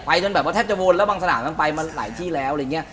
จนแบบว่าแทบจะวนแล้วบางสนามมันไปมาหลายที่แล้วอะไรอย่างนี้